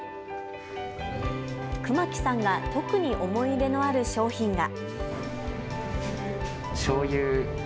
久間木さんが特に思い入れのある商品が。